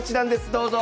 どうぞ。